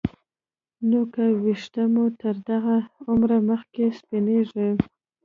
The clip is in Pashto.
نو که ویښته مو تر دغه عمره مخکې سپینېږي